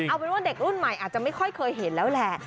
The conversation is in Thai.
เอาเป็นว่าเด็กรุ่นใหม่อาจจะไม่ค่อยเคยเห็นแล้วแหละ